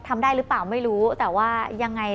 ทำได้หรือเปล่าไม่รู้แต่ว่ายังไง